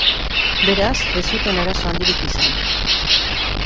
Beraz, ez zuten arazo handirik izan.